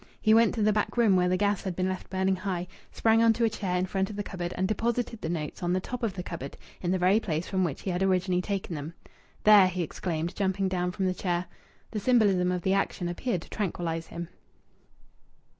He went to the back room, where the gas had been left burning high, sprang on to a chair in front of the cupboard, and deposited the notes on the top of the cupboard, in the very place from which he had originally taken them. "There!" he exclaimed, jumping down from the chair. The symbolism of the action appeared to tranquillize him.